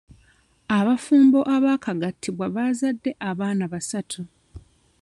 Abafumbo abaakagattibwa baazadde abaana basatu.